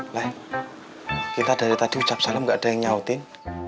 lah kita dari tadi ucap salam gak ada yang nyautin